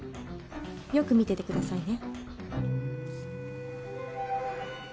よく見ててくださいね。